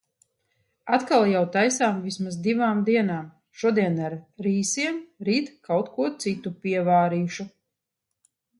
Atkal jau taisām vismaz divām dienām. Šodien ar rīsiem, rīt kaut ko citu pievārīšu.